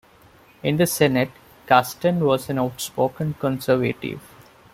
In the Senate, Kasten was an outspoken conservative.